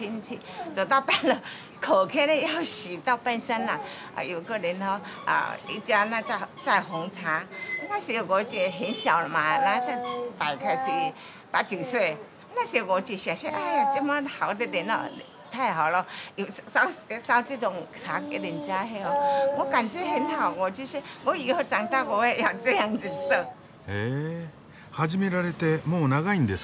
始められてもう長いんですか？